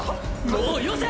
もうよせ！